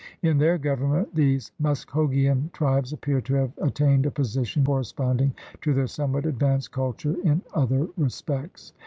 In their government these Muskhogean tribes appear to have attained a position corresponding to their somewhat advanced culture in other respects.